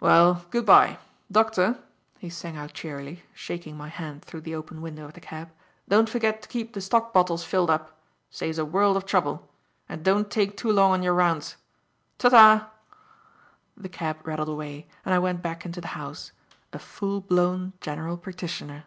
"Well, good bye. Doctor!" he sang out cheerily, shaking my hand through the open window of the cab. "Don't forget to keep the stock bottles filled up. Saves a world of trouble. And don't take too long on your rounds. Ta! ta!" The cab rattled away and I went back into the house, a full blown general practitioner.